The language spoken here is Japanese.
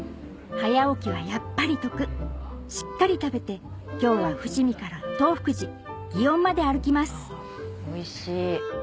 早起きはやっぱり得しっかり食べて今日は伏見から東福寺園まで歩きますおいしい。